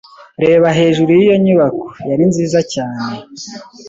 Reba hejuru yiyo nyubako yari nziza cyane.